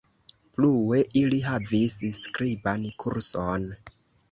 Plue, ili havis skriban kurson.